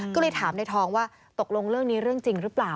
ก็เลยถามในทองว่าตกลงเรื่องนี้เรื่องจริงหรือเปล่า